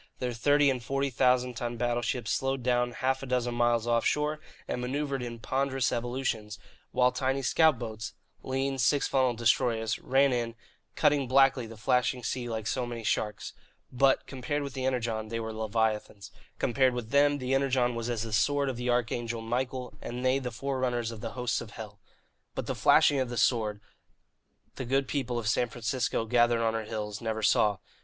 Their thirty and forty thousand ton battleships slowed down half a dozen miles offshore and manoeuvred in ponderous evolutions, while tiny scout boats (lean, six funnelled destroyers) ran in, cutting blackly the flashing sea like so many sharks. But, compared with the Energon, they were leviathans. Compared with them, the Energon was as the sword of the arch angel Michael, and they the forerunners of the hosts of hell. But the flashing of the sword, the good people of San Francisco, gathered on her hills, never saw.